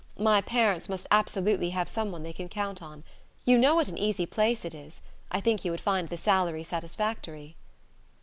My parents must absolutely have some one they can count on. You know what an easy place it is.... I think you would find the salary satisfactory."